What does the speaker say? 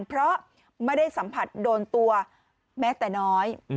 เพราะไม่ได้สัมผัสโดนตัวแม้แต่น้อย